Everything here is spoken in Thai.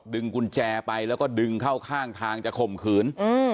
กุญแจไปแล้วก็ดึงเข้าข้างทางจะข่มขืน